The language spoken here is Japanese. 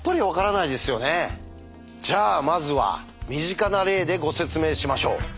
じゃあまずは身近な例でご説明しましょう。